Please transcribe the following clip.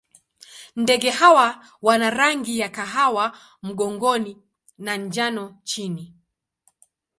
Ndege hawa wana rangi ya kahawa mgongoni na njano chini.